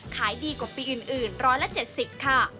ขายดีกว่าปีอื่น๑๗๐ค่ะ